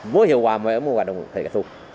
với hiệu quả mới ở mùa quả đồng hồ thầy cát thu